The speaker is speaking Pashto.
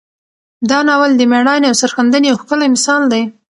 دا ناول د میړانې او سرښندنې یو ښکلی مثال دی.